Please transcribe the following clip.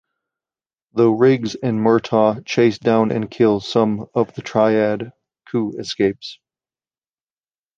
Though Riggs and Murtaugh chase down and kill some of the Triad, Ku escapes.